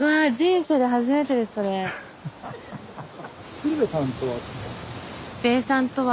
鶴瓶さんとは。